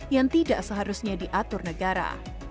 yang tidak seharusnya diatur negara